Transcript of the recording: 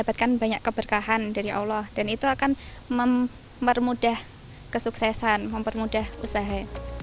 dapatkan banyak keberkahan dari allah dan itu akan mempermudah kesuksesan mempermudah usaha